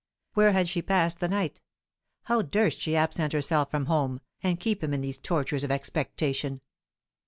Where had she passed the night? How durst she absent herself from home, and keep him in these tortures of expectation?